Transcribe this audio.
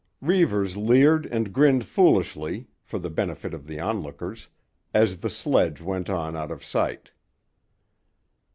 Reivers leered and grinned foolishly—for the benefit of the onlookers—as the sledge went on out of sight.